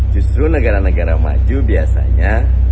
justru negara negara maju biasanya